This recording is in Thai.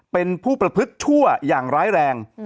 เป็นผู้ประพฤติชั่วอย่างร้ายแรง